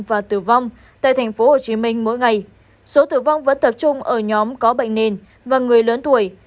và tử vong tại tp hcm mỗi ngày số tử vong vẫn tập trung ở nhóm có bệnh nền và người lớn tuổi